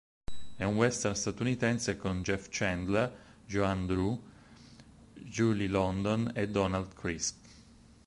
È un western statunitense con Jeff Chandler, Joanne Dru, Julie London e Donald Crisp.